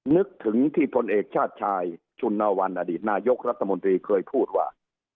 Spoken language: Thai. นึกถึงที่พลเอกชาติชายชุนวันอดีตนายกรัฐมนตรีเคยพูดว่า